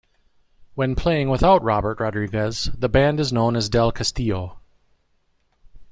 When playing without Robert Rodriguez, the band is known as Del Castillo.